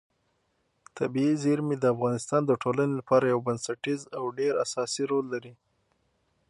طبیعي زیرمې د افغانستان د ټولنې لپاره یو بنسټیز او ډېر اساسي رول لري.